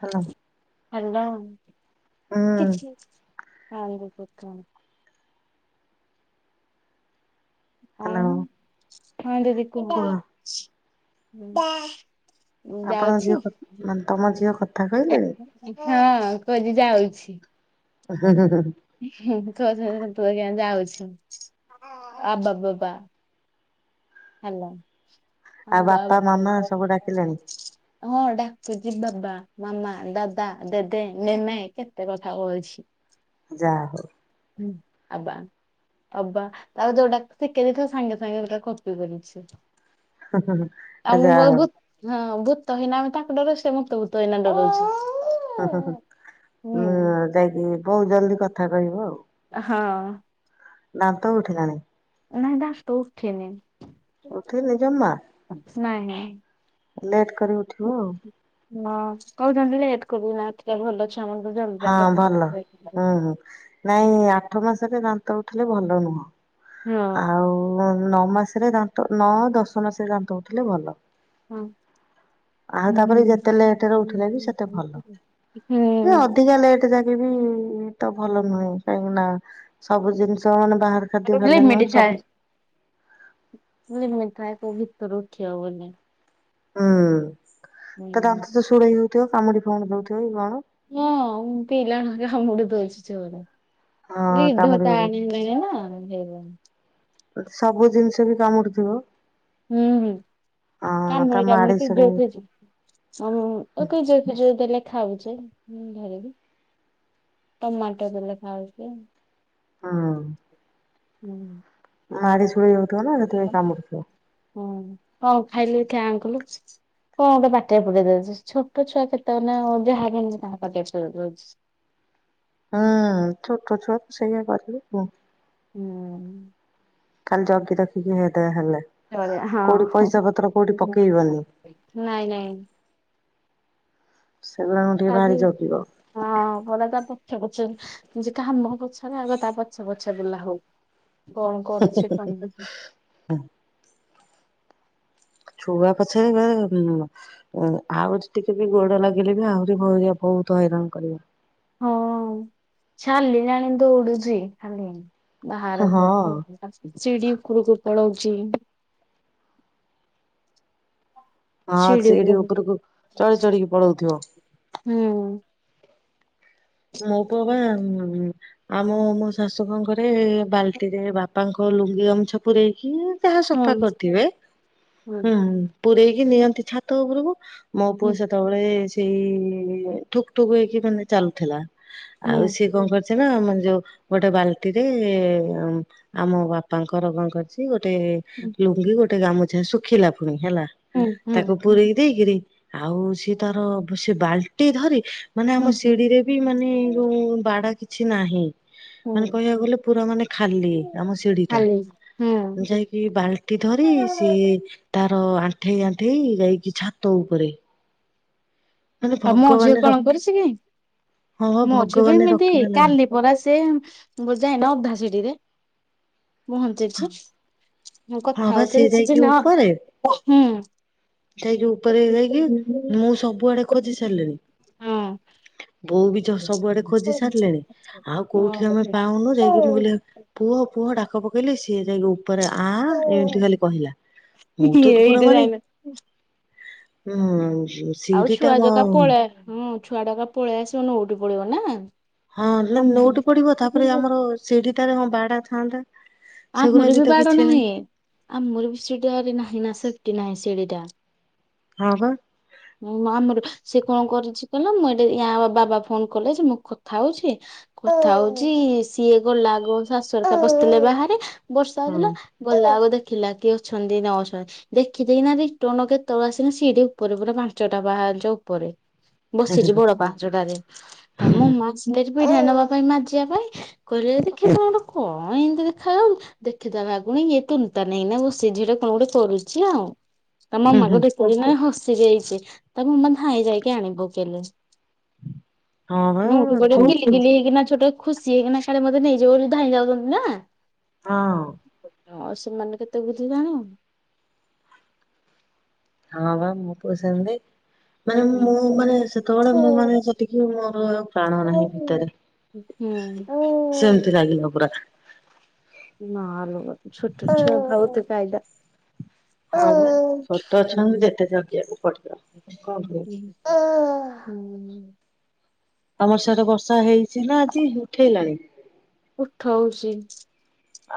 Hello hello ହୁଁ କିଛି [unintelligible] hello ଆଉ ହଁ କୁହ [unintelligible] ମୁଁ ଆପଣ ଝିଅ କ ଯାଉଛି ମାନେ ତମ ଝିଅ କଥା ହଁ କହିଲେଣି କହୁଛି ଯାଉଛି ଉଁ ହୁଁ ହୁଁ ହୁଁ। [unintelligible] ଯାଉଛୁ ଅବା ବାବା ହାଲୋ ଆଉ ବାପା ମାମା [inaudible] ସବୁ ଡାକିଲେଣି ହଁ ଡାକୁ କି ବାବା ମାମା ଦାଦା ଦେଦେ ନେନେ କେତେ କଥା କେହୁଛି। ଯା ହଉ। ଆବାା ଆବା ତା ଯୋଉଟା ଶିଖେଇ ଦେଇଥ ସାଙ୍ଗେ ସାଙ୍ଗେ ପୁରା କପି କରଛି ସିଏ ଆ ଆମ ଯାହା ହଉ ବୋହୁତ ହଁ ବୋହୁତ ଭୂତ ହେଇନା ଆମେ ତାଙ୍କୁ ଡରୋଉ ସେ ମୋତେ ଭୂତହେଇନା ଡରୋଉଚି ହୁଁ ହୁଁ ହୁଁଁ ଯାଇକି ବହୁତ ଜଲଦି କଥା କହିବ ଆଉ। ହଁ। ଦାନ୍ତ ଉଠିଲାଣି? ନାଇଁ ଦାନ୍ତ ଉଠିନି ଉଠେନି ଜମା? ନାହିଁ। ଲେଟ୍ କରି ଉଠିବ ଆଉ। ହଁ କହୁଛନ୍ତି ଲେଟ କରୁ ନାହନ୍ତି ଏଇଟା ଭଲ ଛୁଆ ହଁ ଭଲ ହୁଁ ହୁଁ ନାଇଁ ଆଠ ମାସରେ ଦାନ୍ତ ଉଠିଲେ ଭଲ ନୁହଁ। ହଁ। ଆଉ ନଅ ମାସରେ ଦାନ୍ତ ନଅ ଦଶ ମାସରେ ଦାନ୍ତ ଉଠିଲଥିଲେ ଭଲ। ହଁ। ଆଉ ହୁଁ ତାପରେ ହୁଁ ଯେତେ ଲେଟରେ ଉଠିଲେ ବି ସେତେ [inaudible] ହୁଁ। ସେତ ଯାକ ବି ତ ଭଲ ନୁହେଁ କାହିଁକି ନା ସବୁ ଜିନିଷ ମାନେ ବାହାର ଖାଦ୍ୟ ମିଠ ଖାଇଲେ ନୁହେଁ ଏ ସବୁ ମିିଟ ଏ ଭିତରୁ ଉଠି ହବନି। ହୁଁ ତା ହୁଁ ଦନ୍ତ ତ ଶୂଳେଇ ହୋଉଥିବ କାମୁଡି ଫାମଡି ଦଉଥିବ କି କଣ? ହଁ ପିଲାମାନଙ୍କୁ କାମୁଡ଼ି ଦୋଉଛି ଯୋରେ ହଁ କାମୁଡି ରିଧତା ହଉ ଆଣି ନାହିଁ ନ ସବୁ ଜିନିଷ ବି କାମୁଡିୁଥିବ ହୁଁ ହୁଁ। କାମୁଡି ମାଡି କାମୁଡି ପିଜ ସଡେଇ ଉଠୁଛି ହିଁ କିଯାଇ ଫିଯାଇ ଦେଲେ ଖାଉଛ ମୁ ଘରେି ଟମାଟୋ ବଲେ ଖାଉଛ ଆ ହୁଁ। ହୁଁ। ମାଢ଼ି ସୁଲେଇ ହୋଇଥିବ ନା ସେତେବେଳେ କମୁଡ଼ୁ ଥିବା। ହୁଁ କଣ ଖାଇଲୁ ଦେଖିବା ଆଁ କଲୁ କଅ ଗୋଟେ ପାଟିରେ ପୁରେଇ ଦୋଉଚି ଛୋଟ ଛୁଆ କେତେବେ ନା ଯାହା କେ ତାଙ୍କ ପାଟିରେ ପ ଦୋଉଛି। ହୁଁ ଛୋଟଛୁଆ ତ ସେଇଆ କରିବେ ଆଉ ହୁଁ। କାଲି ଜଗି ରଖିକି ହେଇଦେ ହେଲା। ହଁ ପକେଇବନି [inaudible] ନାଇଁ ନାଇଁ। ସେଗୁଡାଙ୍କୁ ଟିକେ ଲାଗି ଭାରି ଜଗିବ। ହଁ ଭଲ ତା ପଛେ ପଛେ ମୁଁ ଯେ କାହା ମୁହ ପଛରେ ଆଗ ତା ପଛ ପଛ ବୁଲା ହଉ। କଣ କରୁଛି କହିଲ କି? ଛୁଆ ପଛରେ ଏ ଆହୁରି ଟିକେ ବି ଗୋଡ଼ ଲଗେଇଲେ ବି ଆହୁରି [unintelligible] ବୋହୁତ ହଇରାଣ କରିବ। ହଁ ଆଉ [unintelligible] ଦୌଡୁଛି ଖାଲି। ହଁ। ବାହାରକୁ କୁଆଡେ ଯାଉଛି? ସିଡି ଉପରକୁ ପଳଉଛି ହଁ ଶିଡି ସିଡି ଉପରକୁ ଚଢି ଚଢିକି ପଳଉଥିବ। ହୁଁ। ମୋ ପୁଅ ବା ଆମ ମୋ ଶାଶୁ କଣ କରେ ବାଲ୍ଟିରେ ବାପାଙ୍କ ଲୁଙ୍ଗି ଗାମୁଛା ପୁରେଇକି ଯାହା ହୁଁ ସଫା କରିଥିବେ ।ହୁଁ ପୂରେଇକି ନିଅନ୍ତି ଛାତ ଉପରକୁ ମୋ ପୁଅ ହୁଁ ସେତେବେଳେ ସେଇ ଠୁକ୍ ଠୁକ୍ ହେଇକି ମାନେ ଚାଲୁଥିଲା। ଆଉ ହୁଁ ସିଏ କଣ କର ଛି ନା ଆମ ଯୋଉ ଗୋଟେ ବାଲ୍ଟିରେ ଆମ ବାପାଙ୍କର କଣ କରିଛି ଗୋ ଗୋଟେ ଲୁଙ୍ଗି ଗୋଟେ ଗାମୁଛା ଶୁଖିଲା ପୁଣି ହେଲା। ହୁଁ ହୁଁ। ତାକୁ ପୁରେଇ ଦେଇକିରି ଆଉ ସିଏ ତାର ସେ ବାଲ୍ଟି ଧରି ମାନେ ହୁଁ ଆମ ସିଡିରେ ବି ମାନେ ଯୋଉ ବାଡା କିଛି ନାହିଁ ହୁଁ ମାନେ କହିବାକୁ ଗଲେ ପୁରା ମାନେ ଖାଲି ଆମ ଶିଢି ଟା। ଖାଲି ହୁଁ। ଯାଇକି ବାଲ୍ଟି ଧରି ସିଏ ତା ଆଣ୍ଠେଇ ଆଣ୍ଠେଇ ଯାଇକି ଛାତ ଉପରେ। ମାନେ ଆଉ ମୋ ଭଗବାନ ଝିଅ କଣ ରଖ କରିଛି କି? ହଁ ମୋ ଝିଅ ବି ଭଗବାନ ଏମିତି ରଖିଲା । ଲେଖା କାଲି ପରା ସେ ଯାଏନା ଅଧା ଶିଢିରେ। ପହଞ୍ଚିଛି ମୁଁ ହଁ କଥା ବା ସିଏ ହଉଥିଲି ଯାଇକି ଯେ ନାଁ ଉପରେ ହୁଁ। ଯାଇକି ଉପରେ ଯାଇକି ମୁଁ ସବୁଆଡେ ଖୋଜି ସାରିଲିଣି। ହଁ। ବୋଉ ବି ହଁ। ସବୁଆଡେ ଖୋଜି ସାରିଲେଣି ଆଉ କୋଉଠି ଆମେ ପାଉନୁ, ଯାଇକି ମୁଁ କହିଲି ପୁଅ ପୁଅ ଡା ଡାକ ପକେଇଲି ସିଏ ଯାଇକି ଉପରେ ଆ ଏମିତି ଖାଲି କହିଲା । ମୁଁ ତ ପୁରା ଏଇଠି ମାନେ ଯାଇନ ହୁଁ ଶିଢିଟା ମ ଛୁଆଟା ପା ପଳେଇ ଆସିବ ନଉଟି ପଡିବ ନା। ହଁ ମାନେ ନଉଟି ପଡିବ । ତାପରେ ଆମର ସିଡିଟାରେ ହଁ ବାଡା ଥାଆନ୍ତା। ଆମର ବି ବାଡ ନାହିଁ । ଆମର ବି ସିଡିରେ ନାହିଁ ନା ସେଫଟି ନାହିଁ। ସିଡିଟା ହଁ ବା ଆମର ସେ କଣ କରିଛି କହିଲ। ମୁଁ ଏଟି ୟା ବାବା ଫୋନ କଲେ ଯେ ମୁଁ କଥା ହଉଛି କଥା ହଉଛି ସିଏ ଗଲା ଆଗ ଶାଶୁ ଆରିକା ବସିଥିଲେ ବାହାରେ, ବର୍ଷା ହଁ ହଉଥିଲା ଗଲା ଆଗ ଦେଖ ଖିଲା କି ଅଛନ୍ତି ନ ଅଛନ୍ତି ଦେଖି ଦେଇକିନା ରିଟନ କେତେବେଳେ ଆସିଲା ସିଡି ଉପରେ ପୁରା ପାଞ୍ଚଟା ପା ହାଚ ଉପରେ ବସିଛି ବଡ ପାହାଚଟାରେ ତା ମୋ [unintelligible] ଝୀ ପିଢା ନବା ପାଇଁ ମାଜିବା ପାଇଁ କହିଲେ ଦେଖେ ତ କଣ ଏମିତି ଦେ ଖା ଯାଉ ଦେଖିଦେଲା [unintelligible] ଇଏ ତୁନ୍ ତାନ୍ ହେଇକିନା ବସିଚି ଝିଅଟା କଣ ଗୋଟେ କରୁଛି ଆଉ। ତା ହୁଁ ହୁଁ ମାମାକୁ ଦେଖି [unintelligible] ମାନେ ହସି ଦେଇଛି। ତା ମାମା ଧାଇଁ ଯାଇକି ଆଣି ପକେଇଲେ। ହଁ ବା ନଉଟି ଚୁ ପଡ଼ିବ ତୁ [inaudible] କିନା ଛୋଟ। ଖୁସି ହେଇକିନା କାଳେ ମତେ ନେଇଯିବ ବୋଲି ଧାଇଁ ଯାଉଛନ୍ତି ନା। ହଁ। ଆଉ ସେମାନେ କେତେ [unintelligible] ହଁ ବା ମୁଁ ପୁଅ ସେମିତି ମାନେ ମୁଁ ମାନେ ସେତେବେଳେ ମୁଁ ମାନେ ସେତିକି ମୋର ପ୍ରାଣ ନାହିଁ ଭିତରେ। ହୁଁ। ସେମତି ଲାଗିଲା ପୁରା ମା ଲୋ ଛୋଟ [inaudible] ହଁ ବା ଛୋଟ ଛୁଆଙ୍କୁ ଯେତେ ଜଗିବାକୁ ପଡ ହୁଁ - ହୁଁ । ତମର ସିଆଡେ ବର୍ଷା ହେଇଛି ନା ଆଜି ଉଠେଇଲାଣି? ଉଠଉଛି,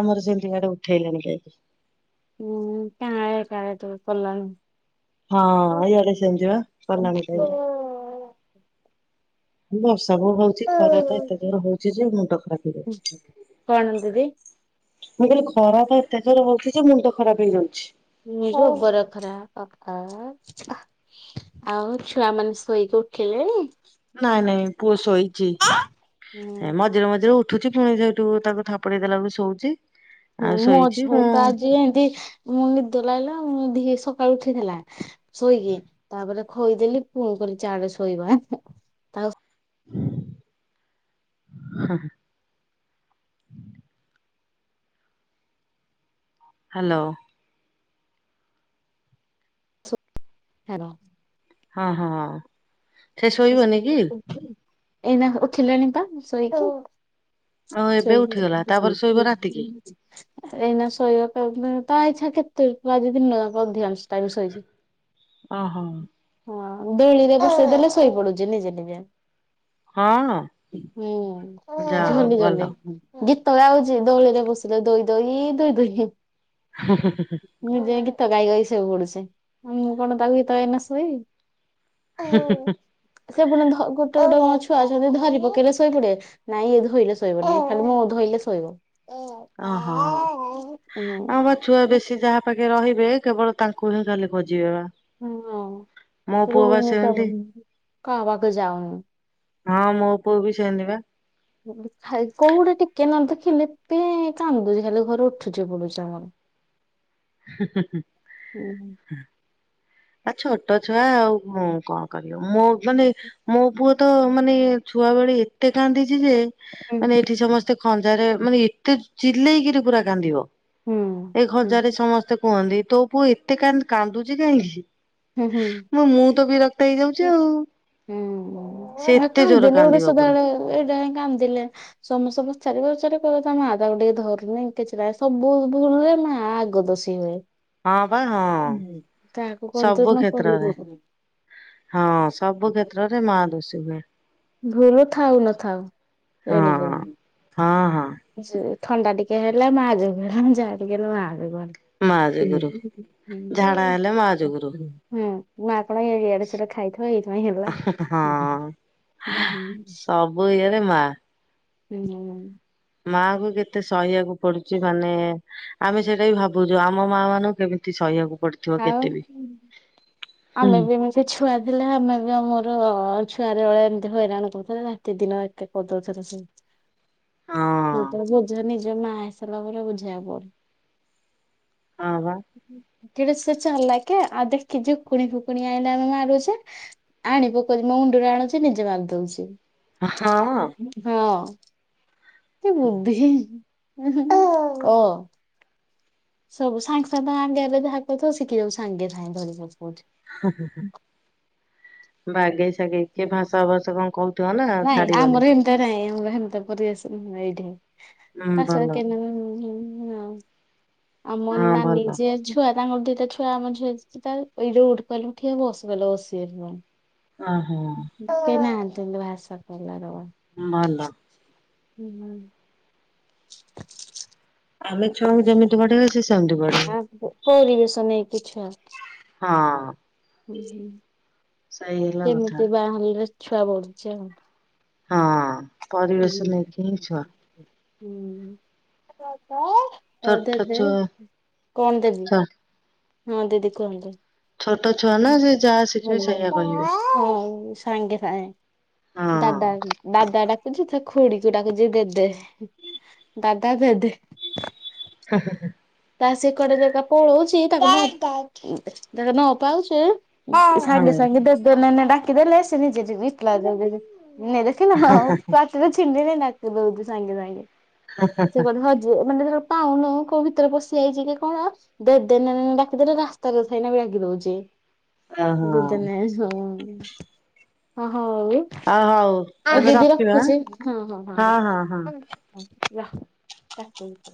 ଆମର ସେମିତିଆଡେ ଉଠେଇଲାଣି କାଇକି ହୁଁ କାଁ କାଳେ ତୁ କଲାଣି। ହଁ ଇଆଡେ ସେମିତିବା କଲାଣି କାଇ ବର୍ଷା କଉ ହଉଛି ଖରା ତ ଏତେ ଜୋର ହଉଛି ଯେ ମୁଣ୍ଡ ଖରାପ ହେଇଯାଉଛି। କଣ ଦିଦି, ମୁଁ କହିଲି ଖରା ତ ଏତେ ଜୋରରେ ହଉଛି ଯେ ମୁଣ୍ଡ ଖରାପ ହେଇଯାଉଛି। ଜବର ଖରା ପାକା, ଆଉ ଛୁଆ ମାନେ ଶୋଇକି ଉଠିଲେଣି? ନାଇଁ ନାଇଁ ପୁଅ ଶୋଇଚି ହୁଁ ମଝିରେ ମଝିରେ ଉ ଉଠୁଛି ପୁଣି ସେଇଠୁ ତାକୁ ଥାପୁଡ଼େଇ ଦେଲାକୁ ଶୋଉଛି । ହୁଁ ମ ଝିଅତ ଆଜି ଏନ୍ତି ମୁଁ ନିଦ ଲାଗିଲା ମୁ ଧି ସକାଳୁ ଉଠିଥିଲା ଶୋଇକି ତାପରେ ଖୋଇଦେଲି ପୁଣି କରି ଚାଆଲେ ଶୋଇବା ଆଉ ହଁ ହଁ । [inaudible] ହ୍ୟାଲୋ । ହ୍ୟାଲୋ। ହଁ ହଁ ସେ ଶୋଇବନି କି? ଏଇନା ଉଠିଲାଣି ପା ଶୋଇକି ଆଉ । ଏବେ ସ ଉଠିଗଲା ତାପରେ ଶୋଇବ ରାତିକି [unintelligible] ଏଇନା ଶୋଇବ ତା ଇଚ୍ଛା କେତେ ଆଜି ଦିନ ଯାକ ଅଧିକାଂଶ ତା ବି ଶୋଇଛି ଓହୋ ହଁ ଦୋଳିରେ ବସେଇ ଦେଲେ ଶୋଇ ପଡୁଛି ନିଜେ ନିଜେ । ହଁ ହୁଁ ଯା ହଉ ଝୁଲି ଭଲ ଝୁଲି ଗୀତ ତଳେ ଆଉଛି ଦୋଳିରେ ବସିଲେ ଦୋଇ ଦୋଇ ଦୋଇ ଦୋଇ ମୁଁ ଯାଇକି ତ ଗାଇ ଗାଇ ଶୋଇ ପୁଡୁଛି ମୁଁ କଣ ତାକୁ ଗୀତ ଗାଇକିନା ଶୋଇବି। ହୁଁ ହୁଁ ହୁଁ । ସେ ପୁଣି ଗୋଟେ ଗୋଟେ ମ ଛୁଆ ଅଛନ୍ତି ଧରି ପକେଇଲେ ଶୋଇ ପଡ଼ିବେ ନାଇଁ ଧୋଇଲେ ଶୋଇବୋନି ମୁଁ ଧୋଇଲେ ଶୋଇଲେ ଶୋଇବ । ଓହୋ ଆ ବା ଛୁଆ ବେଶୀ ଯାହା ପାଖେ ରହିବେ କେବଳ ତାଙ୍କୁ ହିଁ ଖାଲି ଖୋଜିବେ? ବା ମୋ ହଁ ପୁଅ ବା ରହୁନି ତ ସେମିତି କାହା ପାଖକୁ ଯାଉନି । ହଁ ମୋ ପୁଅ ବି ସେମିତି ବା । କୋଉ ଗୋଟେ ଟିକେ ନ ଦେଖିଲେ ପେଁ କାନ୍ଦୁଚି ଖାଲି ଘର ଉଠୁଛି ପଡୁଛି ଆମର ହ [inaudible] ହୁଁ ହୁଁ ହୁଁ ହୁଁ। । ନା ଛୋଟ ଛୁଆ ଆଉ କଣ କରିବ ମୋ ମାନେ ମୋ ପୁଅ ତ ମାନେ ଛୁଆବେଳେ ଏତେ କାନ୍ଦିଛି ଯେ ହୁଁ ମାନେ ଏଠି ସମସ୍ତେ ଖଞ୍ଜାରେ ମାନେ ଏତେ ଚିଲେଇକିରି ପୁରା କାନ୍ଦିବ ହୁଁ । ଏ ଖଜାରେ ହୁଁ ସମସ୍ତେ କୁହନ୍ତି ତୋ ପୁଅ ଏତେ କାନ୍ଦ କାନ୍ଦୁଚି କାହିଁକି? ହୁଁ। ମୁଁ ମୁଁ ତ ବିରକ୍ତ ହେଇ ଯାଉ ହୁଁ ଏତେ ଜୋର କାନ୍ଦିଲେ ଗୋଟେ କାନ୍ଦିବ ପୁରା ସଦାବେଳେ କନ୍ଦିଲେ ସମସ୍ତ ପଚାରି ପଚାରି କହିବେ ତା ମାଆ ତାକୁ ଟିକେ ଧରୁନି କିଛି ନାହିଁ ସବୁ ଶୁଣରେ ମାଆ ଆଗ ଦୋଷୀ ହୁଏ । ହଁ ବା ହଁ କଣ ତ ସବୁ ନ କହିବୁ କ୍ଷେତ୍ରରେ ହଁ ସବୁ କ୍ଷେତ୍ରରେ ମାଆ ଦୋଷୀ ହୁଏ । ଭୁଲ ଥାଉ ନଥାଉ ହଁ ରେଣ କର ହଁ। । ହଁ ହଁ ଥଣ୍ଡା ଟିକେ ହେଲା ମାଜୁଗୁ ହେଲା ମୁଁ ଯାଟିକେ ହେଲେ ମା ଜୁଗୁ ହେଲା। ମା ଯୋଗୁରୁ ଝାଡା ହେଲେ ମା ଯୋଗୁରୁ ହ ହଁ । ଆପଣ ଇଆଡେ ସିଆଡେ ଖାଇଥିବେ ଏଇଥିପାଇଁ ହେଲା ହୁଁ ହା ସବୁ ଇଏରେ ମା। ହୁଁ। ମାଆଙ୍କୁ କେତେ ସହିବାକୁ ପଡୁଛି ମାନେ ଆମେ ସେଇଟା ବି ଭାବୁଚୁ ଆମ ମାଆ ମାନଙ୍କୁ କେମିତି ସହିବାକୁ ପଡିଥିବ ଆଉ କେତେ ବି। ହୁଁ ଆମେ ବି ଏମିତି ଛୁଆ ଥିଲେ ଆମେ ବି ଆମର ଛୁଆଟା ବେଳେ ଏମତି ହଇରାଣ କରୁଥିଲେ ରାତି ଦିନ ଏକେ କରିଦଉଥିଲେ ସବୁ। ହଁ [unintelligible] ବୁଝେ ନିଜେ ମା ହେଇ ସାରିଲା ପରେ ବୁଝିଆକୁ ପଡ଼େ। ହଁ ବା। କେଡ଼େ ସେ ଚାଲାକି ଆଉ ଦେଖି ଝୁକୁଣି ଫୁକୁଣି ଆଣିଲେ ଆମେ ମାରୁଛେ, ଆଣି ପକଉଛି ମୋ ମୁଣ୍ଡ ଆଣୁଛି ନିଜେ ମାରିଦଉଛି, ହଁ। ହଁ। କି ବୁଦ୍ଧି, ଓ। ସବୁ ସାଙ୍ଗ ସାଙ୍ଗ ତା ଆଗେ ଆଗେ ଯାହା କହୁଥିବ ଶିଖି ଯାଉ ସାଙ୍ଗେ ସାଙ୍ଗେ ଧରି ପକଉ ବାଗେଇ ସାଗେଇ କିଏ ଭାଷା ଭାଷା କଣ କହୁ ନାଇଁ ଆମର ସେମତିଆ ନାଇଁ ଆମର ସେମତିଆ ନାଇଁ ଏଇଠି। ହୁଁ ତାଛ ଭଲ କେ [unintelligible] ଆମର ହଁ ନା ଭଲ ନିଜେ ଛୁଆ ତାଙ୍କର ଦିଟା ଛୁଆ ଆମ ଝିଅ ଦିଟା ଏଇଠି ଉଠ କହିଲେ ଉଠିବେ, ବସ୍ କହିଲେ ବସିବେ ସେମାନେ। ଓହୋ। କେହି ନାହାଁନ୍ତି ଏମତି ଭାଷା କହିଲାର ବା। ଭଲ। ଏ ମା ଆମେ ଛୁଆଙ୍କୁ ଯେମିତି ବଢେଇବା ସିଏ ସେ ସେମିତି ବଢିବେ। ଆଉ ପରିବେଶ ନେଇକି ଛୁଆ। ହଁ। ବୁଝିଲି। ସେଇ ହେଲା କଥା କେମିତି ବା ହେଲାରେ ଛୁଆ ବଢୁଛି ଆଉ। ହଁ ପରିବେଶ ନେଇକି ହିଁ ଛୁଆ। ଦ ଦଏ ଛୋଟ ଦଦ ଦେ ଛୁଆ କଣ ଦେବି? ଛୋ ହଁ ଦିଦି କୁହନ୍ତୁ। ଛୋଟ ଛୁଆ ନା ସେ ଯାହା ଶିଖିବେ ସେଇଆ। କହିବେ। ହୁମ୍ ସାଙ୍ଗେ ସାଙ୍ଗେ ହଁ। ଦାଦା ଦାଦା ଡାକ୍ [unintelligible] ଖୁଡ଼ୀକୁ ଡାକୁଛି ଦେଦେ, ଦାଦା ଦେଦେ। ହଃ-ହଃ-ହଃ। ତା ସେ କୁଆଡ଼େ ଯାଇକା ପଳଉଚି ଯାହା ନ ପାଉଚେ ସାଙ୍ଗେ ହଁ। ସାଙ୍ଗେ ଦେଦେ ନେ ନେ ଡାକି ଦେଲେ ସେ ନିଜେ ଯିବି ଏକଲା [unintelligible] ନେ ଦେଖିଲୁ ହଁ ପାଟିରେ ଛିଣ୍ଡିନି [unintelligible] ଦଉଛି ସାଙ୍ଗେ ସାଙ୍ଗେ। ସେ ବୋଧେ ହଜି ମାନେ [unintelligible] ପାଉନି କୋଉ ଭିତରେ ପଶ ଯାଇଛି କି କଣ ଦେ ଦେ ନାନା ଡାକିଦେଲେ ରାସ୍ତାରେ [unintelligible] ବି ଡାକି ଦଉଛି। ଓହୋ [unintelligible] ଓହୋ। ହଉ ଆଉ ହଉ ଆଉ ଏବେ ଦିଦି ରଖିବା ଆଁ। ରଖୁଛି, ହଁ-ହଁ-ହଁ ହଁ ରଖ। ହଁ ହଁ। କାଟନ୍ତୁ।